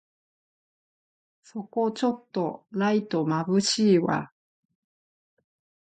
そこちょっとライトまぶしいわ